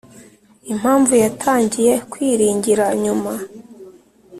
'impamvu yatangiye kwiringira nyuma,